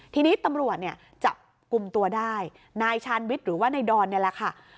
ทีนี้ตำรวจเนี่ยจับกลุ่มตัวได้นายชาญวิทย์หรือว่านายดอนนี่แหละค่ะ